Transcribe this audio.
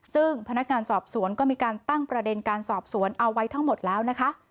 ซึ่งพนักงานสอบสวนก็มีการตั้งประเด็นการสอบสวนเอาไว้ทั้งหมดแล้วนะคะ